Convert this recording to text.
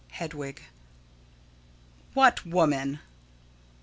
Hedwig: What woman?